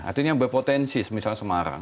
artinya berpotensi misalnya semarang